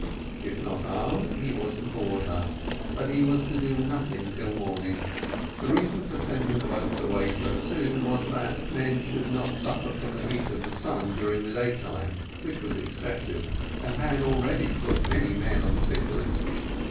If not armed he was to board her, but he was to do nothing till the morning: the reason for sending the boats away so soon was, that the men might not suffer from the heat of the sun during the day time, which was excessive, and had already put many men on the sick list.